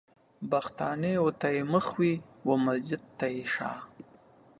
بتخانې و ته يې مخ وي و مسجد و ته يې شا